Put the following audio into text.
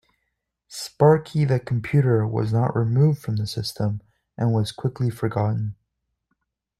Sparky the Computer was not removed from the system and was quickly forgotten.